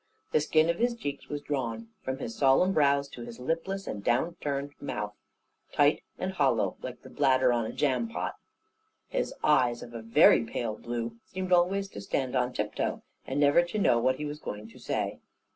The skin of his cheeks was drawn, from his solemn brows to his lipless and down curved mouth, tight and hollow, like the bladder on a jam pot. His eyes, of a very pale blue, seemed always to stand on tip toe, and never to know what he was going to say.